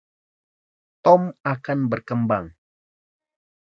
Tom akan berkembang.